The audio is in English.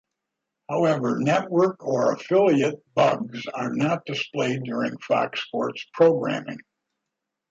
However, network or affiliate bugs are not displayed during Fox Sports programming.